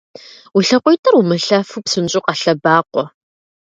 Уи лъакъуитӏыр умылъэфу псынщӏэу къэлъэбакъуэ!